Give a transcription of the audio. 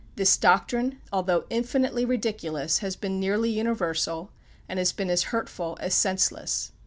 This doctrine, although infinitely ridiculous, has been nearly universal, and has been as hurtful as senseless.